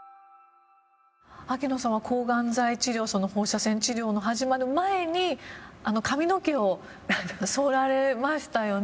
秋野さんは抗がん剤治療放射線治療の始まる前に髪の毛を剃られましたよね。